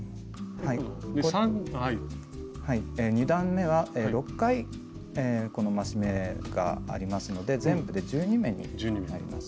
２段めは６回この増し目がありますので全部で１２目になります。